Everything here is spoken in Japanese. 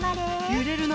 ゆれるな！